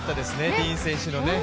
ディーン選手のね。